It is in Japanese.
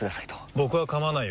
僕は構わないよ。